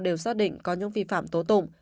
đều xác định có những vi phạm tố tụng